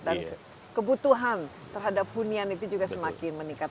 dan kebutuhan terhadap hunian itu juga semakin meningkat